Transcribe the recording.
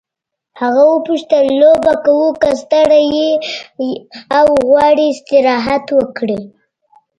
هغه وپوښتل لوبه کوو که ستړی یې او غواړې استراحت وکړې.